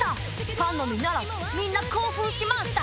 ファンのみならずみんな興奮しまシタ！